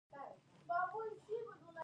د چهلستون باغ میوې لري.